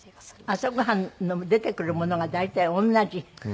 朝ご飯の出てくるものが大体同じ。